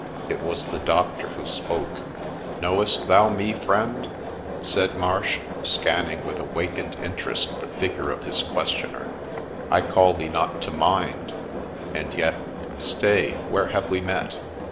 It was the doctor who spoke. ' Knowest thou me, friend ?' said Marsh, scanning with awakened interest the figure of his questioner :' I call thee not to mind ; and yet — stay, where have we met